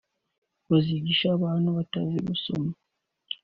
Bazigisha abantu batazi gusoma